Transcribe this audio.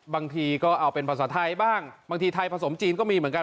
บางทีก็เอาเป็นภาษาไทยบ้างบางทีไทยผสมจีนก็มีเหมือนกัน